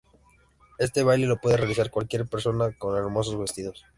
Este baile lo puede realizar cualquier persona con hermosos vestidos.